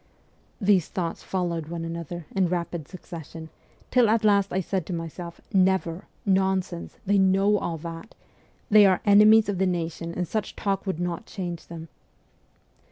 These thoughts followed one another in rapid succession, till at last I said to myself :' Never ! Nonsense ! They know all that. They are enemies of the nation, and such talk would not change them.'